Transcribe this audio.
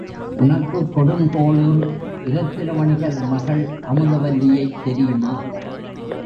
உனக்குக் கொடுங்கோளுர் இரத்தின வணிகர் மகள் அமுதவல்லியைத் தெரியுமா?